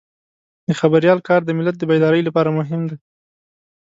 د خبریال کار د ملت د بیدارۍ لپاره مهم دی.